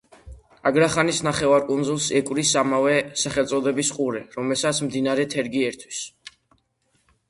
აგრახანის ნახევარკუნძულს ეკვრის ამავე სახელწოდების ყურე, რომელსაც მდინარე თერგი ერთვის.